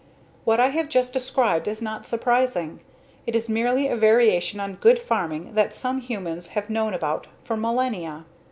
What I have just described is not surprising, it is merely a variation on good farming that some humans have known about for millennia.